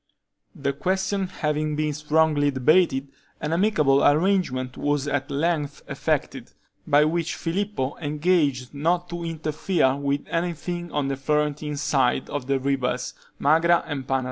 The question having been strongly debated, an amicable arrangement was at length effected, by which Filippo engaged not to interfere with anything on the Florentine side of the rivers Magra and Panaro.